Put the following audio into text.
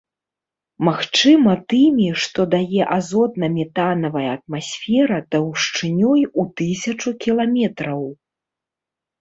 Магчыма, тымі, што дае азотна-метанавая атмасфера таўшчынёй у тысячу кіламетраў.